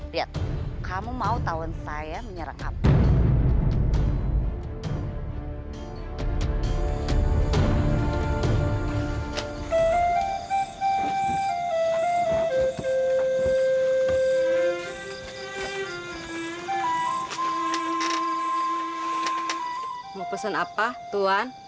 lihat kamu mau tawan saya menyerang kamu